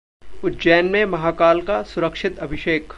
उज्जैन में महाकाल का सुरक्षित अभिषेक!